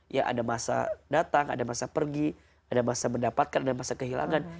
ya ada masa datang ada masa pergi ada masa mendapatkan ada masa kehilangan